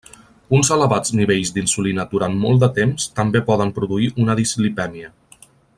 Uns elevats nivells d'insulina durant molt de temps també poden produir una dislipèmia.